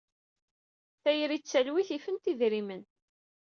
Tayri d talwit ifent idrimen.